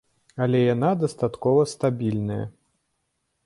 Але яна дастаткова стабільная.